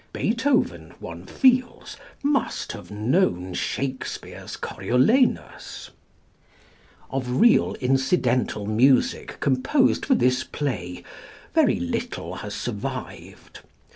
Beethoven, one feels, must have known Shakespeare's Coriolanus. Of real incidental music composed for this play very little has survived.